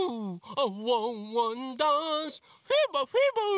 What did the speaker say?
ワンワンダンスフィーバーフィーバー！